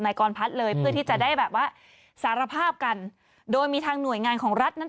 กรพัฒน์เลยเพื่อที่จะได้แบบว่าสารภาพกันโดยมีทางหน่วยงานของรัฐนั้น